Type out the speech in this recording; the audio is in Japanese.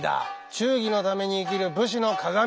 忠義のために生きる武士の鑑。